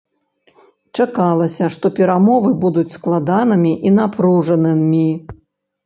Чакалася, што перамовы будуць складанымі і напружанымі.